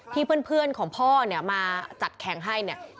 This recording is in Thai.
เพื่อนของพ่อเนี่ยมาจัดแข่งให้เนี่ย